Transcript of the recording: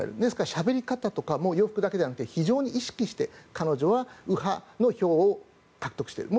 しゃべり方だけでなく洋服だけではなくて非常に意識して彼女は右派の票を獲得している。